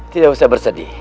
tidak usah bersedih